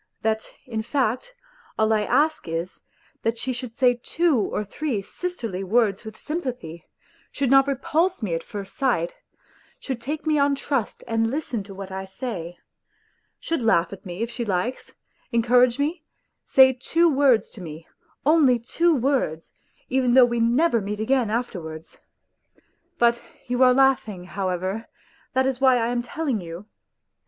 That, in fact, all I ask is, that she should say two or three sisterly words with sympathy, should not repulse me at first sight ; should take me on trust and listen to what I say ; should laugh at me if she likes, encourage me, say two words to me, only two words, even though we never meet again afterwards !... But you are laughing ; however, that is why I am telling you.